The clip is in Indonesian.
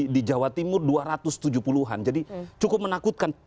di jawa timur dua ratus tujuh puluh an jadi cukup menakutkan